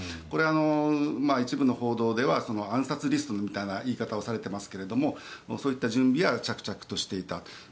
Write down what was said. これ、一部の報道では暗殺リストみたいな言い方をされていますがそういった準備は着々としていた。